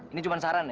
ini cuma saran ya